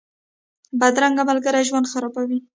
بدرنګه ملګري ژوند خرابوي